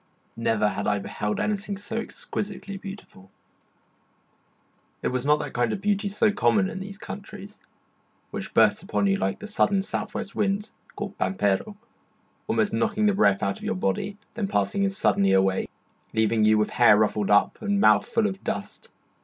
Never had I beheld anything so exquisitely beautiful. It was not that kind of beauty so common in these countries, which bursts upon you like the sudden south west wind called pampero, almost knocking the breath out of your body, then passing as suddenly away, leaving you with hair ruffled up and mouth full of dust.